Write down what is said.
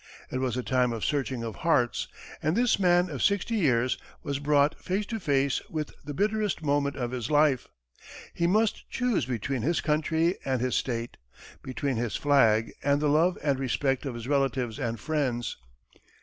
It was a time of searching of hearts, and this man of sixty years was brought face to face with the bitterest moment of his life. He must choose between his country and his state; between his flag and the love and respect of his relatives and friends.